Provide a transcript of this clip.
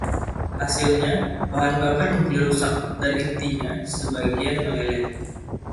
Hasilnya, bahan bakar nuklir rusak, dan intinya sebagian meleleh.